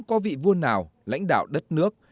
có vị vua nào lãnh đạo đất nước